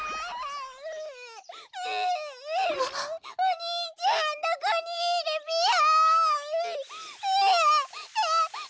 おにいちゃんどこにいるぴよ。